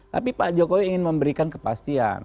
tapi pak jokowi ingin memberikan kepastian